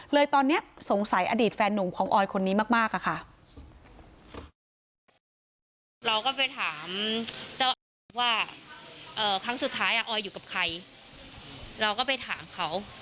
เลยตอนนี้สงสัยอดีตแฟนหนุ่มของออยคนนี้มากอะค่ะ